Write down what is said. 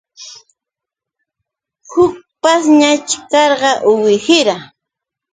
Huk pashñash karqa uwihira.